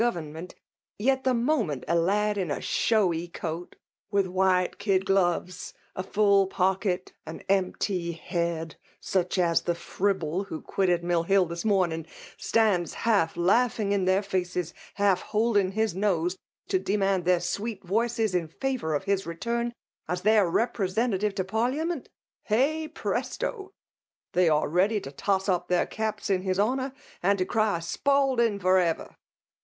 117 government ; yet the moment a lad in a showy coat^ with white kid gloves^ a full pockety an empty head, such as the fribhie who quitted Mill HiU this morning, stands half laughing in their faces, half holding his nose, to demand their sweet voices in favour of his return as their representative to parliament, — heujhl jpreMio I they are ready to toss up their caps in his honour, and to cry 'Spalding for ever